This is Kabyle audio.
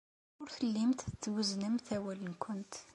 Ur tellimt twezznemt awal-nwent.